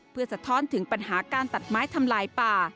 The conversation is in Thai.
เพื่อสะท้อนถึงปัญหาการตัดไม้ทำลายป่า